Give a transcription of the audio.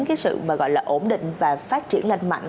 cái sự mà gọi là ổn định và phát triển lành mạnh